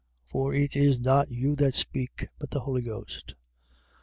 For it is not you that speak, but the Holy Ghost.